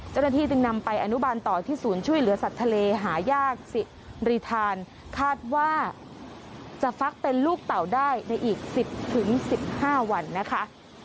เจ้าหน้าที่จึงนำไปอนุบาลต่อที่ศูนย์ช่วยเหลือสัตว์ทะเลหายากสิริธานคาดว่าจะฟักเป็นลูกเต่าได้ในอีก๑๐๑๕วันนะคะ